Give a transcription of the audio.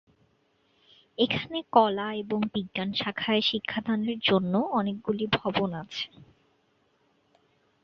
এখানে কলা এবং বিজ্ঞান শাখায় শিক্ষাদানের জন্য অনেকগুলি ভবন আছে।